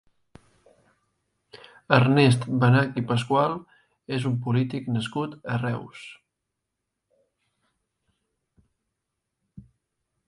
Ernest Benach i Pascual és un polític nascut a Reus.